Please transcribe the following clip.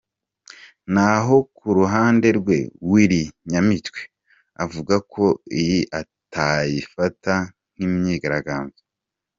Naho ku ruhande rwe, Willy Nyamitwe avuga ko iyi atayifata nk’imyigaragambyo.